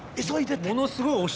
ものすごい押してまして。